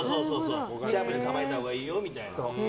シャープに構えたほうがいいよみたいな。